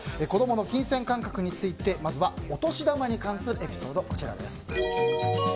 子供の金銭感覚についてまずはお年玉に関するエピソード、こちらです。